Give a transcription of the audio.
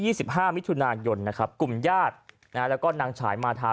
สิบห้ามิถุนายนนะครับกลุ่มญาตินะฮะแล้วก็นางฉายมาทา